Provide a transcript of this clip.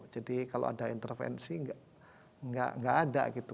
jadi kalau ada intervensi nggak ada gitu